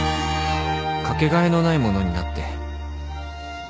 かけがえのないものになって